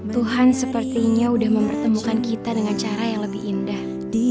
tuhan sepertinya sudah mempertemukan kita dengan cara yang lebih indah